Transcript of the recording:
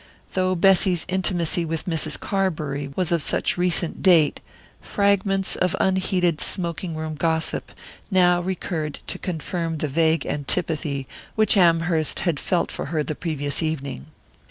Though Bessy's intimacy with Mrs. Carbury was of such recent date, fragments of unheeded smoking room gossip now recurred to confirm the vague antipathy which Amherst had felt for her the previous evening.